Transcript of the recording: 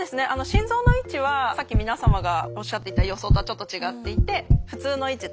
心臓の位置はさっき皆様がおっしゃっていた予想とはちょっと違っていて普通の位置というか。